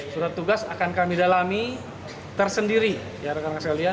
surat tugas akan kami dalami tersendiri